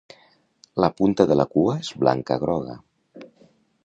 La punta de la cua és blanca-groga.